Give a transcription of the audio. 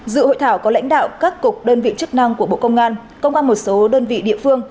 dự hội thảo có lãnh đạo các cục đơn vị chức năng của bộ công an công an một số đơn vị địa phương